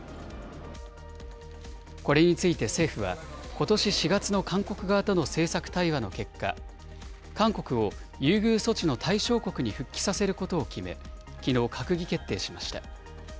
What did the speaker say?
これについて政府は、ことし４月の韓国側との政策対話の結果、韓国を優遇措置の対象国に復帰させることを決め、きのう閣議決定しました。